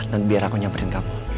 dan biar aku nyamperin kamu